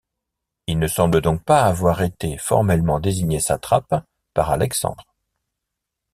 Il ne semble donc pas avoir été formellement désigné satrape par Alexandre.